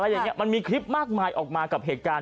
อย่างนี้มันมีคลิปมากมายออกมากับเหตุการณ์